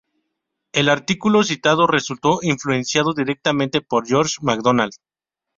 El artículo citado resultó influenciado directamente por George MacDonald.